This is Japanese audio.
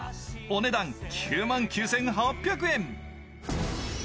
お値段、９万９８００円。